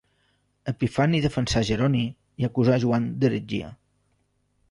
Epifani defensà Jeroni i acusà Joan d'heretgia.